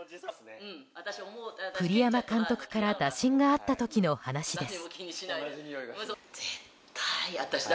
栗山監督から打診があった時の話です。